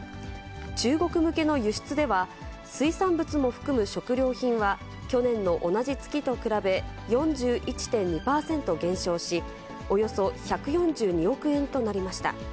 中国向けの輸出では、水産物も含む食料品は、去年の同じ月と比べ、４１．２％減少し、およそ１４２億円となりました。